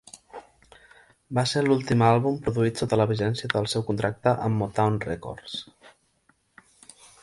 Va ser l"últim àlbum produït sota la vigència del seu contracte amb Motown Records.